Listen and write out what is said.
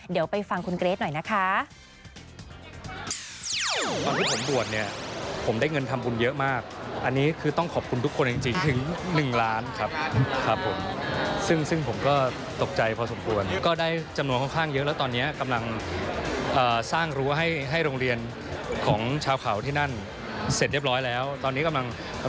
เดี๋ยวไปฟังคุณเกรทหน่อยนะคะ